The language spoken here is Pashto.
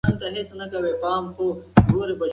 آس په خپل خلاصون سره د ټول کلي لپاره د امید نښه وګرځېده.